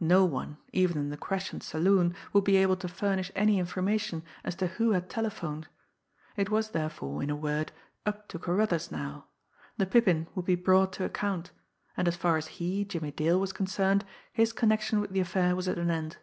No one, even in the Crescent saloon, would be able to furnish any information as to who had telephoned. It was, therefore, in a word, up to Carruthers now; the Pippin would be brought to account; and as far as he, Jimmie Dale, was concerned, his connection with the affair was at an end.